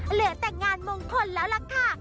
เหลือแต่งานมงคลแล้วล่ะค่ะ